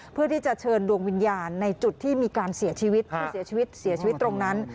เพื่อที่จะเชินดวงวิญญาณในจุดที่มีการเสียชีวิตเสียชีวิตตรงนั้น